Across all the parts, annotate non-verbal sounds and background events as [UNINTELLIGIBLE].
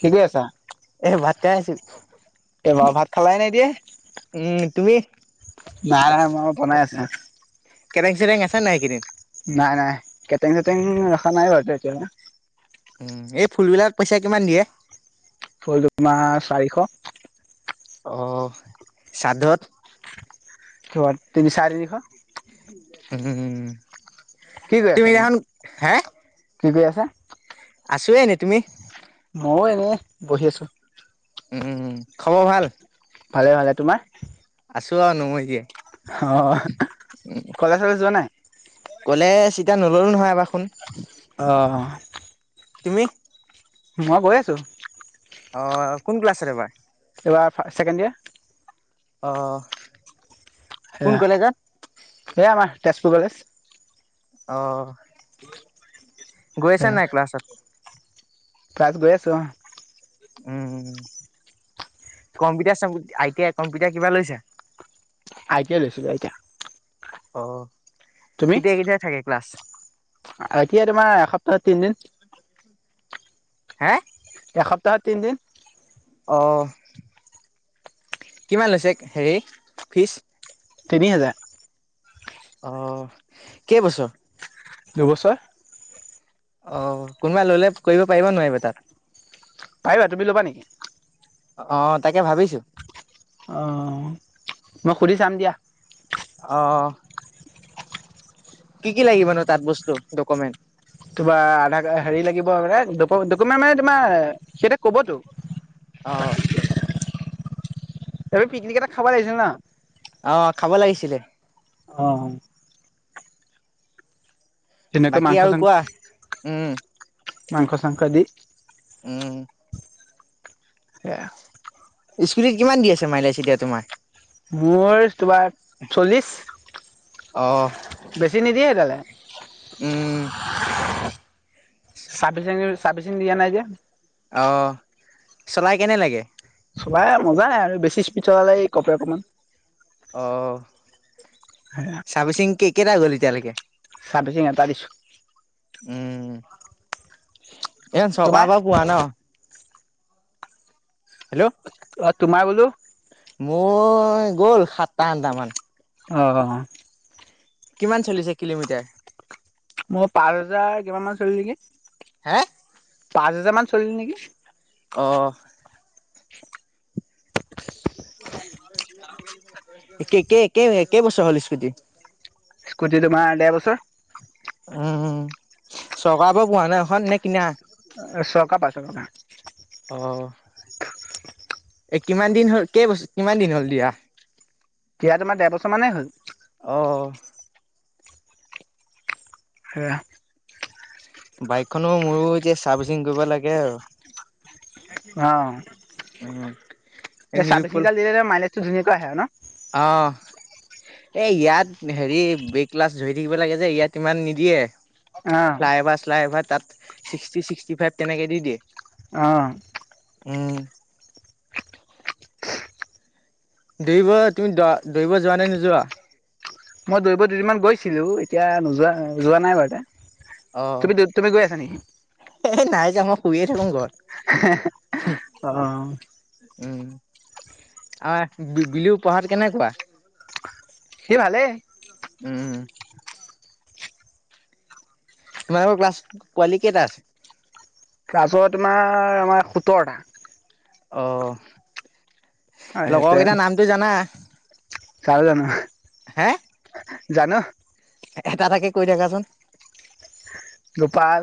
কি কৰি আছা? এ ভাতে আছিল। এই বাৰু ভাত খালাই নে এতিয়া? উম, তুমি? নাই নাই মই বনাই আছো। কেৰেং চেৰেং আছে নাই এই কেইদিন। নাই নাই কেটেং চেটেং ৰখা নাই ঘৰতে। কেলাহ উম, এই ফুলবিলাক পইচা কিমান দিয়ে? ফুল দুমাহ চাৰিশ অ সাধত চোৱাত তিনি, চাৰে তিনিশ উম কি কৰি আছা তুমি এতিয়া? দেখন হে কি কৰি আছে? আছোৱে এনেই। তুমি? মইয়ো এনে বহি আছো। উম, খবৰ ভাল? ভালে ভালে। তোমাৰ? আছোঁ আৰু নমই জীয়াই। অ কলেজ চলেজ যোৱা নাই? ক'লেজ চিতা নললো নহয় এবাৰ শুন। আহ তুমি? মই গৈ আছো। অ কোন ক্লাছ এবাৰ এইবাৰ ছেকেণ্ড ইয়েৰ অহ কোন কলেজত এই আমাৰ তেজপুৰ কলেজ অ গৈ আছ নাই ক্লাছত ক্লাছ গৈ আছো অ উম কম্পিউটাৰ চম্পি আই টি আই কম্পিউটাৰ কিবা লৈছা আই টি আই লৈছো আই টি আই অ কেতিয়া কেতিয়া থাকে ক্লাছ আই টি আই তোমাৰ এসপ্তাহত তিনদিন হে এসপ্তাহত তিনদিন অহ কিমান লৈছে হেৰি ফিজ তিনি হেজাৰ অ কেই বছৰ নবছৰ অ কোনোবা ললে কৰিব পাৰিব নোৱাৰিব তাত পাৰিবা তুমি ল'বা নেকি অ তাকে ভাবিছো অ মই সুধি চাম দিয়া অ কি কি লাগিবনো তাত বস্তু ডকুমেণ্ট তোমাৰ আধাৰ কাৰ হেৰি লাগিব ডকুমেণ্ট মানে তোমাৰ সিহঁতে ক'বতো অ এইটো পিকনিক এটা খাব লাগিছিল না অহ খাব লাগিছিলে অ ধুনীয়াকৈ বাকী মাংস আৰু চাং কোৱা উম মাংস চাংস দি উম সেয়া স্কুটিত কিমান দি আছে মাইলেছ এতিয়া তোমাৰ মোৰ তোমাৰ চল্লিশ অ বেছি নিদিয়ে তালে উম চাৰ্ভিচ চাৰ্ভিচিং দিয়া নাই যে অ চলাই কেনে লাগে চলাই মজাই আৰু বেছি স্পীড চলালে এই কপে অকমান অ' শাবশিংকে [UNINTELLIGIBLE] কেইটা গল এতিয়ালৈকে পেছি তাৰিছো উম এ চকা তোমাৰ বা পোৱা ন হেল্ল' অ তোমাৰ হেল্ল' মোৰ গ'ল সাতটা আঠটামান অ কিমান চলিছে কিলোমিটাৰ মই পাচ হাজাৰ কিমান মান চলিলেগে [UNINTELLIGIBLE] হে পাঁচ হেজাৰ মান চলিল নেকি আহ কেই কেই বছৰ হ'ল স্মৃতি স্কুটি তোমাৰ দেৰ বছৰ উম চৰকাৰৰ পৰা পোৱা নাই এখন নে কিনা চকা পচৰকা অ'। [UNINTELLIGIBLE] এ কিমান দিন হল কেই বছ কিমান দিন হ'ল দিয়া তেয়া তোমাৰ দেৰ বছৰ মানেই হ'ল অ'। আহ বাইকখনো মোৰো এতিয়া চাৰ্ফচিং কৰিব লাগে আৰু অ উম। এই এই ছাব্বিশ নীলোৎপল হিজাৰ দিলে মাইলেজ [UNINTELLIGIBLE] ধুনীয়াকৈ আহে ন অ এ ইয়াত হেৰি বে ক্লাছ ধৰি থাকিব লাগে যে ইয়াত ইমান নিদিয়ে [UNINTELLIGIBLE] অ', ফ্লাই অভাৰ শ্লাই অভাৰ তাত ছিক্সটি ছিক্সটি ফাইভ তেনেকে দি দিয়ে আহ উম দৌৰিব তুমি দ দৌৰিব যোৱা নাই নোযোৱা মই দৈব দুদিনমান গৈছিলো এতিয়া নোযোৱা যোৱা নাই বাৰুতে [UNINTELLIGIBLE] অ'। তুমি তুমি গৈ আছা নেকি এ নাই যাওঁ মই শুইয়ে থাকো ঘৰত হে- হে অ [UNINTELLIGIBLE] আ বিলু পাঢ়াত কেনেকুৱা সি ভালেই উম তোমালোকৰ ক্লাছ কোৱালি কেইটা আছে গাজৰ তোমাৰ আমাৰ সোতৰটা অ লগৰকেইটাৰ নামটো জানা চাৰ জান। হে জান? এটা তাকে কৈ থাকাচোন। গোপাল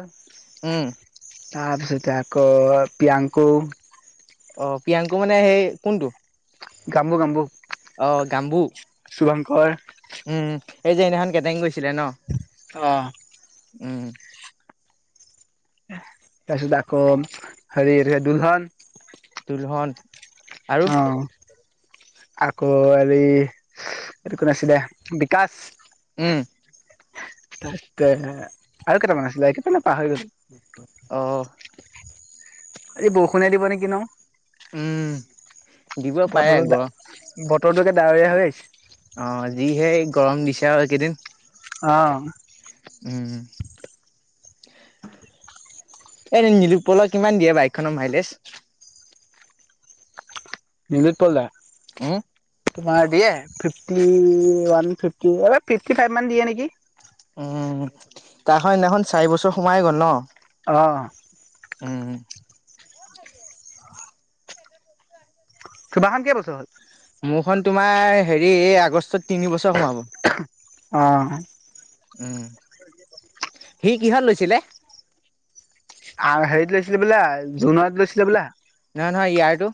উম তাৰপিছতে আকৌ প্ৰিয়াংকু অ প্ৰিয়াংকু মানে সেই কোনটো? গাম্বু গাম্বু। অ গাম্বু শুভংকৰ উম। এই যে সদিনাখন কেতেইং গৈছিলে ন? আহ। উম। তাৰপিছত আকৌ হেৰি দুলহন। দূহন। অ। আকৌ হেৰি এইটো কোনে আছিলে বিকাশ। উম। তাৰপিছতে আৰু কেইটামান আছিলে কেইটামানে পাহৰি গৈছো। অহ। এই বৰষুণে দিব নেকি ন? উম। দিব বতৰ পাৰে গৰম বতৰটো ডাৱীয়া হৈ আহিছে। অ যিহে গৰম দিছে আৰু একেইদিন। অ। উ এ নিলুতপলৰ কিমান দিয়ে বাইকখনৰ মাইলেজ? নিলোৎপল দা? উম তোমাৰ দিয়ে ফিফটি ওৱান, ফিফটি ফাইভ মান দিয়ে নেকি? উম তাৰখন হেইদিনাখন চাৰি বছৰ সোমাই গ'ল ন? আহ। উম তোমাখন কেই বছৰ হল? মোৰখন তোমাৰ হেৰি এই আগষ্টত তিনি বছৰ সোমাব। উম, সি কিহত লৈছিলে? আ হেৰিত লৈছিলে বোলে জোনত লৈছিলে বোলে। নহয় নহয় ইয়াৰটো।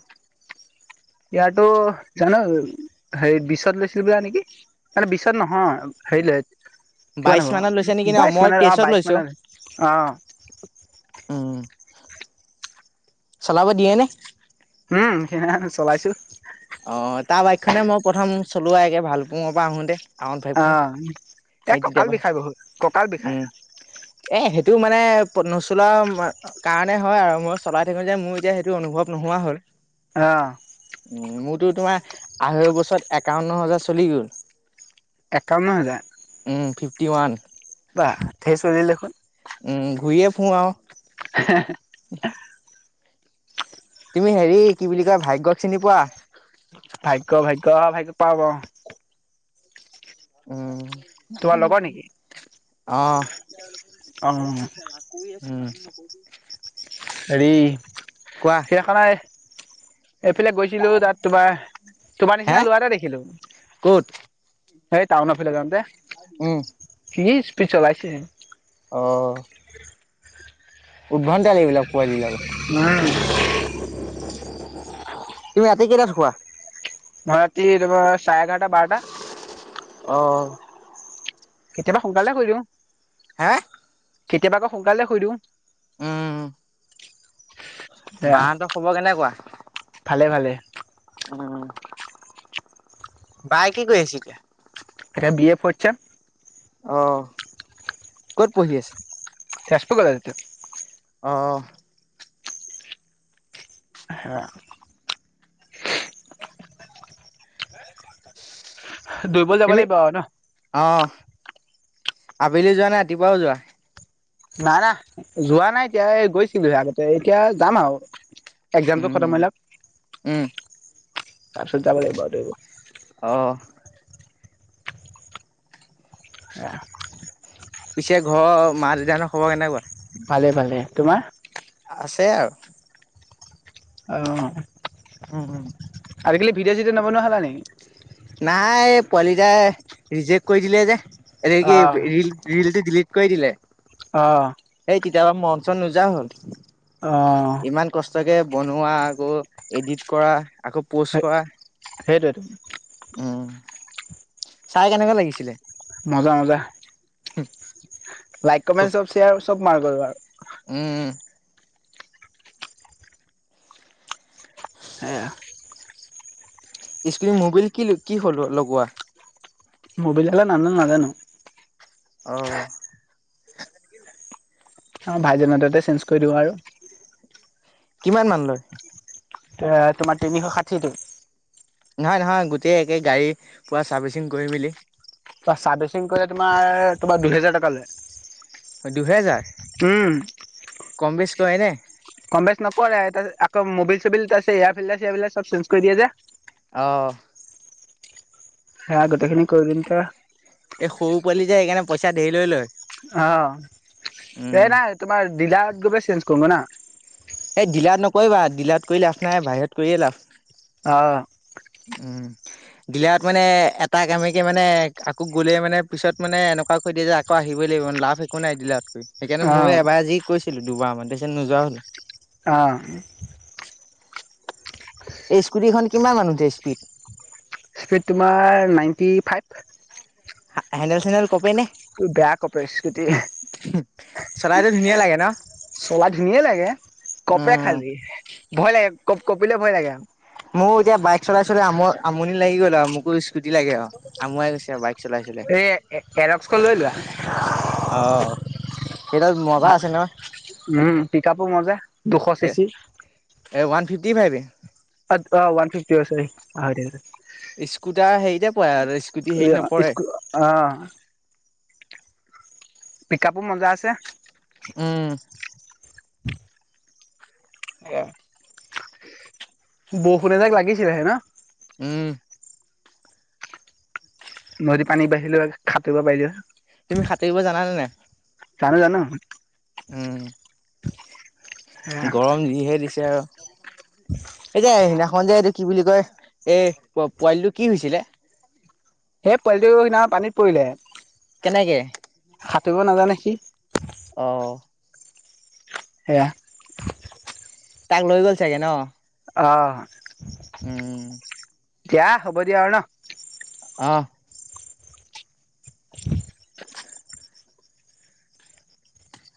ইয়াৰতো জানো হেৰি বিচত লৈছিলো বা নেকি? মানে বিশচত নহয় হেৰি ল বাইশ মানত লৈছে নেকি ন মই অ তেইশত বাইশ লৈছো। মানে অ', উম চলাব দিয়ে নে? উম স [UNINTELLIGIBLE] চলাইছো অ তাৰ বাইক খনে মই প্ৰথম চলোৱাইগে ভালপুঙৰ পৰা আহোতে। আউন ফাইভখন আহ এ সেই তেতিয়া কঁকাল পৰাই বিষাই বহুত, কঁকাল বিষাই। এইটো মানে নচলোৱা কাৰণে হয় আৰু মই চলাই থাকো যে মোৰ এতিয়া সেইটো অনুভৱ নোহোৱা হ'ল আহ উ মোৰতো তোমাৰ আঢ়ৈ বছৰত একাৱন্ন হাজাৰ চলি গ'ল একাৱন্ন হাজাৰ টিৱান বা ধেচলিল দেখোন ওম ঘূৰিয়ে ফুৰোঁ আৰু হে হে। তুমি হেৰি কি বুলি কয় ভাগ্যক চিনি পোৱা। ভাগ্য ভাগ্য অভাগ্য। পাওঁ পাওঁ উম্‌। তোমাৰ উম লগৰ উম। নেকি অ অ [UNINTELLIGIBLE] উম হেৰি কোৱা সেইখনা এইফালে গৈছিলো তাত তোমাৰ তোমাৰ হে নিচিনা ল'ৰা এটা দেখিলো। ক'ত সেই টাউন ফালে যাওঁতে। উম কি স্পিড চলাইছে। অ উ। ভণ্টা এইবিলাক পোৱালিবিলাকত উম তুমি ৰাতি কেইটাত শুৱা মই ৰাতি তোমাৰ চাৰে এঘাৰটা বাৰটা। অ কেতিয়াবা সোনকালে শুই দিওঁ হে কেতিয়াবা আকৌ সোনকালে শুই দিওঁ। উম। বা এয়া হতৰ খবৰ কেনেকুৱা। ভালে ভালে উম বাই কি কৰি আছে এতিয়া। এতিয়া বি এ ফড চেম। অ ক'ত পঢ়ি আছে তেজপুৰ কলেজতে অ অ সেয়া [UNINTELLIGIBLE] দৌৰিব যাব তুমি লাগিব আৰু নঃ। অ', আবেলি যোৱা নে ৰাতিপুৱাও যোৱা? নাই না যোৱা নাই এতিয়া গৈছিলোহে আগতে এতিয়া যাম আৰু। এক্জামটো খতম লওঅ। উম, তাৰপছত যাব লাগিব দৌৰিব। অহ। স [UNINTELLIGIBLE] পিছে ঘৰৰ মা দেউতাহতৰ খবৰ কেনেকুৱা? ভালে ভালে। তোমাৰ? আছে আৰু। আ অ। উম উম। আজিকালি ভিডিঅ' চিডিঅ নবনোৱা হলা নি? নাই পোৱালিটাই ৰিজেক্ট কৰি দিলে যে। এ অ কি ৰিল ৰিলতে ডিলিট কৰি দিলে। অ। তেতিয়া মন চন নোযাৱা হ'ল। অ। তাকে বনোৱা আকৌ এডিট কৰা। আকৌ পোষ্ট কৰা। সেইটোৱেই ত উম চাই কেনেকুৱা লাগিছিলে? মজা মজা। হম লাইক কমেণ্ট চব শ্বেয়াৰ চব মাৰ্াৰ [UNINTELLIGIBLE] উম সেয়া। স্কিন মোবিল কি কি হলোৱা লগোৱা। মোবাইলল নান নাজানো [UNINTELLIGIBLE] অহ। অ ভাই জন হতেতে চেঞ্জ কৰি দিব আৰু। কিমান মান লয়? এ তোমাৰ তিনিশ ষাঠিটো। নহয় নহয় গোটেই একেই গাড়ী পূৰা চাৰ্ভিচিং কৰি মেলি, চাৰ্ভিচিং কৰিলে তোমাৰ তোমাৰ দুহেজাৰ টকা লয়। দুহেজাৰ? উম কম বেছ কৰে নে? কম বেচ নকৰে তাৰপিছত মবিল চোবিল আছে এয়া ফিলটাৰ সেয়া ফিলটাৰ চব চে্ণ্জ কৰি দিয়া যে। অ অ সেয়া গোটেইখিনি কৰি দিম ত এই সৰু পোৱালি যে সেইকাৰণে পইচা ধেৰলৈ লয়। অ এই উম, নাই তোমাৰ দিলাৰ। [UNINTELLIGIBLE] চেইনজ কৰো গৈ না। এই ডিলাত নকৰিবা ডিলাত কৰি লাভ নাই বাহিৰত কৰিয়ে লাভ। আহ উম দিলত মানে এটা কামেকে মানে আকৌ গ'লে মানে পিছত মানে এনেকুৱা কৈ দিয়ে যে আকৌ আহিবই লাগিব মে লাভ একো নাই দিলত [UNINTELLIGIBLE] সেইকাৰণে অ মই এবাৰ যি কৈছো। [UNINTELLIGIBLE] আছিলো দুবাৰ মান পিছত নোযোৱা হলো [UNINTELLIGIBLE] অ এই স্কুটিখন কিমান মানুহ যে স্পীড স্পীড তোমাৰ নাইণ্টি ফাইভ হেন্দল চেনেল কপে নে [UNINTELLIGIBLE] বেয়া কপে স্কুটী [UNINTELLIGIBLE] চলাইতো ধুনীয়া লাগে ন চলা ধুনিয়ে লাগে কপে উম। খালি [UNINTELLIGIBLE] ভয় লাগে ক কঁপিলে ভয় লাগে। মোৰ এতিয়া বাইক চলাই চলাই আমনি লাগি গ'ল আৰু মোকো স্কুটি লাগে আৰু আমুৱাই গৈছে আৰু বাইক চলাই চলাই। এ এৰক্সখন লৈ লোৱা অ' সেইডাল মজা আছে নহয়। উম পিকাপো মজে দুশ চিচি কি ভাই [UNINTELLIGIBLE] আ অ ৱান ফিফটি আছে নেকি পাহৰি থাকিলো স্কুটাৰ হেৰিতে পৰে আৰু স্কুটি হেৰিত নপৰে থাকিলো অ পিক আপো মজা আছে। উম অ বৰষুণ যাক লাগিছিলেহে ন উম নদত পানী বাঢ়িলে খাটুব পাৰি। তুমি সাঁতেৰিব জানানে নে জানো জানো উম গৰম দিহে দিছে আৰু এ যে সেইদিনাখন যে এইটো কি বুলি কয়। [UNINTELLIGIBLE] এই পোৱালিটো কি হৈছিলে? সেই পোৱালিট সিদিনা পানীত পৰিলে। কেনেকে সাঁতুৰীভ নাজানে সি অ সেয়া তাক লৈ গ'ল চাগে ন অঁ উম দিয়া হ'ব দিয়া আৰু ন আহ [INAUDIBLE] [INAUDIBLE]